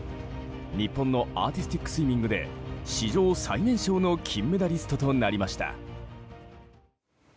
日本のアーティスティックスイミングで史上最年少の金メダリストとなりました。